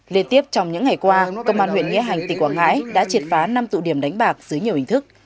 liên tiếp trong những ngày qua công an huyện nghĩa hành tỉnh quảng ngãi đã triệt phá năm tụ điểm đánh bạc dưới nhiều hình thức